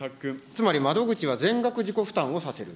つまり窓口が全額自己負担をさせる。